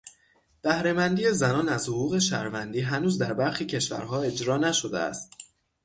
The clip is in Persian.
بهره مندی زنان از حقوق شهروندی هنوز در برخی کشورها اجرا نشده است.